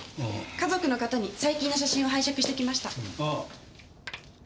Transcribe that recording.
家族の方に最近の写真を拝借してきました。